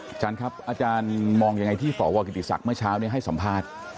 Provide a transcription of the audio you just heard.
อาจารย์ครับอาจารย์มองยังไงที่สวกิติศักดิ์เมื่อเช้าให้สัมภาษณ์